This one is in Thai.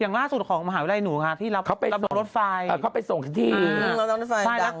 อย่างล่าสุขของมหาวิทยาลัยหนูงหาที่รับเขาไปออฟฟ้าไปส่งที่อ้าง